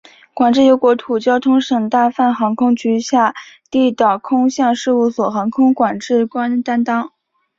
管制由国土交通省大阪航空局下地岛空港事务所航空管制官担当。